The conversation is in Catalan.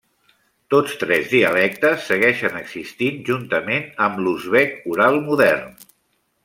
Tots tres dialectes segueixen existint juntament amb l'uzbek oral modern.